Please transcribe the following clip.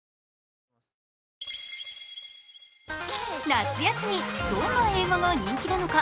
夏休み、どんな映画が人気なのか。